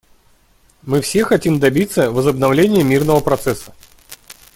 Мы все хотим добиться возобновления мирного процесса.